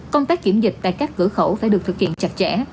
công tác kiểm dịch tại các cửa khẩu phải được thực hiện chặt chẽ